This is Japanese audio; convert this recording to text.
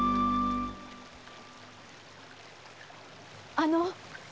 あの。